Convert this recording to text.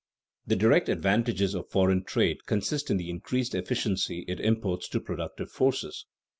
_The direct advantages of foreign trade consist in the increased efficiency it imparts to productive forces.